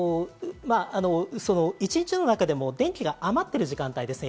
１日の中でも電気が余ってる時間帯ですね。